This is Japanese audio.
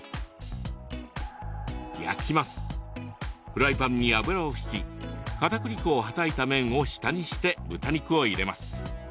フライパンに油を引きかたくり粉をはたいた面を下にして豚肉を入れます。